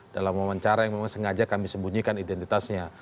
dalam wawancara yang memang sengaja kami sembunyikan identitasnya